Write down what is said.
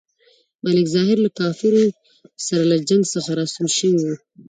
ملک ظاهر له کفارو سره له جنګ څخه راستون شوی وو.